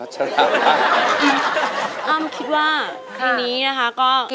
สวัสดีครับ